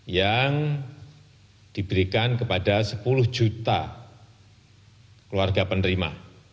yang diberikan kepada sepuluh juta keluarga penerima